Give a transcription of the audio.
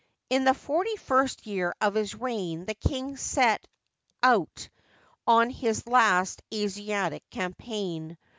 In the forty first year of his reign the king set out on his last Asiatic campaign.